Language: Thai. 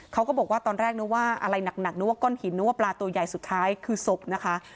เขาก็บอกว่าตอนแรกนึกว่าอะไรหนักนึกว่าก้อนหินนึกว่าปลาตัวใหญ่สุดท้ายคือศพนะคะ